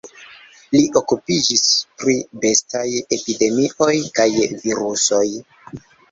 Li okupiĝis pri bestaj epidemioj kaj virusoj.